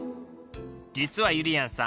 実はゆりやんさん